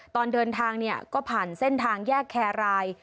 ตอนเดินทางก็ผ่านเส้นทางแยกแขรลาย